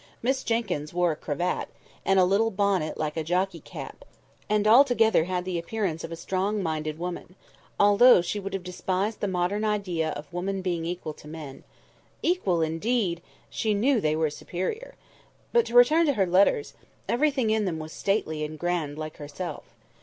Miss Jenkyns wore a cravat, and a little bonnet like a jockey cap, and altogether had the appearance of a strong minded woman; although she would have despised the modern idea of women being equal to men. Equal, indeed! she knew they were superior. But to return to her letters. Everything in them was stately and grand like herself.